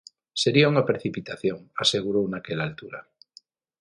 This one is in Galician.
"Sería unha precipitación", asegurou naquela altura.